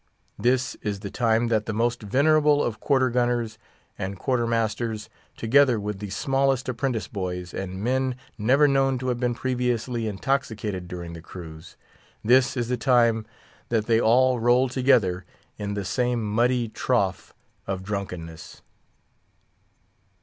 This is the time that the most venerable of quarter gunners and quarter masters, together with the smallest apprentice boys, and men never known to have been previously intoxicated during the cruise—this is the time that they all roll together in the same muddy trough of drunkenness.